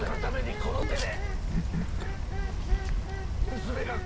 この手で！